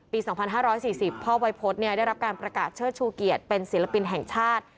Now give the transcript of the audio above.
ปี๒๕๔๐พ่อวัยพฤษได้รับการประกาศเชิดชูเกียรติเป็นศิลปินแห่งชาติ